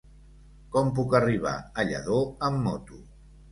Com puc arribar a Lladó amb moto?